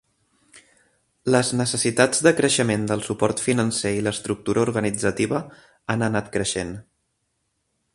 Les necessitats de creixement del suport financer i l'estructura organitzativa han anat creixent.